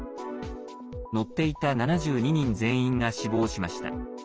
乗っていた７２人全員が死亡しました。